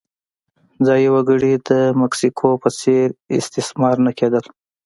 ځايي وګړي د مکسیکو په څېر استثمار نه کېدل.